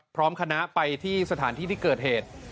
พร้อมคณะไปที่สถานที่ที่เกิดเหตุ